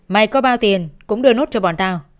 mày có bao tiền cũng đưa nốt cho bọn tao